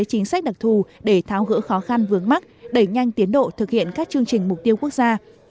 chính sách đặc thù để tháo gỡ khó khăn vướng mắt đẩy nhanh tiến độ thực hiện các chương trình mục tiêu quốc gia